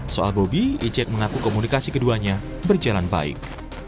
soal bobi ijek mengaku komunikasi keduanya berjalan baik